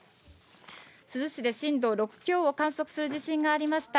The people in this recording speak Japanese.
珠洲市で震度６強を観測する地震がありました。